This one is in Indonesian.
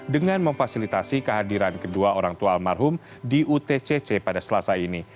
dengan memfasilitasi kehadiran kedua orang tua almarhum di utcc pada selasa ini